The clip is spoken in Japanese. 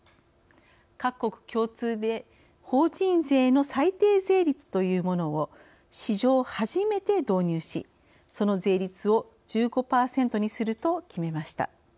各国共通で、法人税の最低税率というものを史上初めて導入しその税率を１５％にすると決めました。